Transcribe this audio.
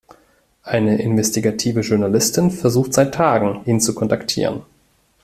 Eine investigative Journalistin versucht seit Tagen, ihn zu kontaktieren.